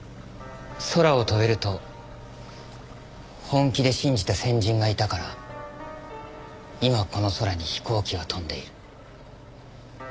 空を飛べると本気で信じた先人がいたから今この空に飛行機が飛んでいる。